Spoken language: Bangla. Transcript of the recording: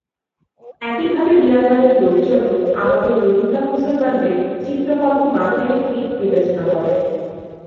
একইভাবে মিয়ানমারের লোকজনও আমাদের রোহিঙ্গা মুসলমানদের চিত্রকল্প মাথায় রেখেই বিবেচনা করে।